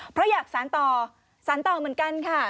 เพราะอยากสารต่อสารต่อเหมือนกันค่ะ